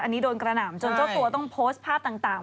อันนี้โดนกระหน่ำจนเจ้าตัวต้องโพสต์ภาพต่าง